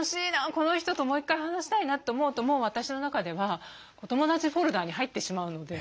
この人ともう１回話したいな」って思うともう私の中では「お友だちフォルダ」に入ってしまうので。